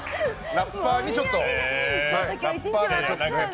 ラッパーに、ちょっとね。